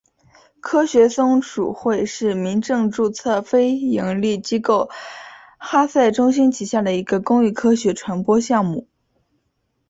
科学松鼠会是民政注册非营利机构哈赛中心旗下的一个公益科学传播项目。